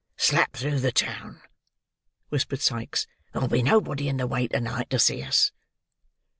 "Slap through the town," whispered Sikes; "there'll be nobody in the way, to night, to see us."